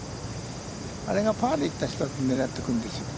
あれがパーでいった人は狙ってくるんですよ。